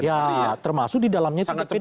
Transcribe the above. ya termasuk di dalamnya dpd